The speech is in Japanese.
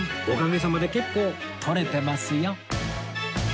おかげさまで結構撮れてますよ